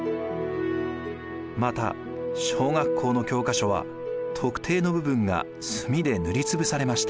また小学校の教科書は特定の部分が墨で塗り潰されました。